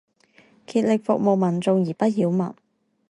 竭力服務民眾而不擾民